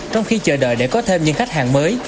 trong khi chờ đợi để có thêm những khách hàng mới